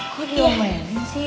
kok diomelin sih